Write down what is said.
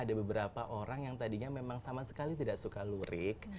ada beberapa orang yang tadinya memang sama sekali tidak suka lurik